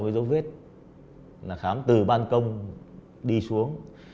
cái dấu vết là khám từ bàn công đi xuống